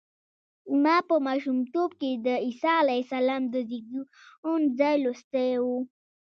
ما په ماشومتوب کې د عیسی علیه السلام د زېږون ځای لوستی و.